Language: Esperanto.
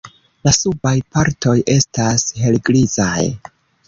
La subaj partoj estas helgrizaj.